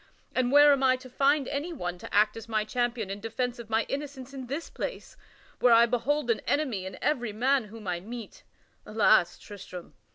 And where am I to find any one to act as my champion in defence of my innocence in this place, where I behold an enemy in every man whom I meet? Alas, Tristram!